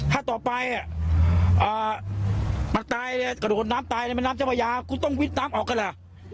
ถ้าต่อไปมันตายเลยกระโดดน้ำตายในแม่น้ำเจ้าพระยาคุณต้องวิดน้ำออกกันล่ะ